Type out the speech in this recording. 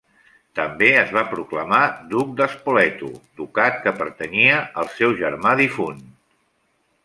També es va proclamar duc de Spoleto, ducat que pertanyia al seu germà difunt.